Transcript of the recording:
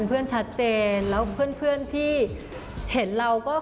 เนี่ยก็เผื่อที่เจอกันนะคะ